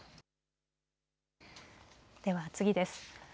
では次です。